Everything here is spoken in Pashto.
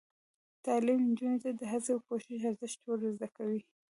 تعلیم نجونو ته د هڅې او کوشش ارزښت ور زده کوي.